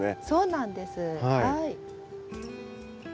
そうなんですはい。